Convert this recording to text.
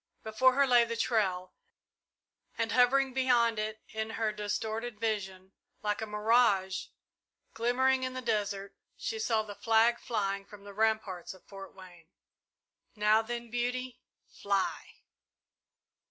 Before her lay the trail and hovering beyond it in her distorted vision, like a mirage glimmering in the desert, she saw the flag flying from the ramparts of Fort Wayne. "Now then, Beauty fly!"